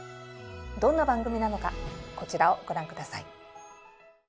どんな番組なのかこちらをご覧下さい。